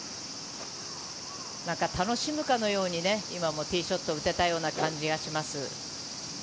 何か楽しむかのように、今もティーショットを打てたような感じがします。